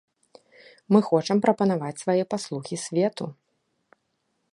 Мы хочам прапанаваць свае паслугі свету.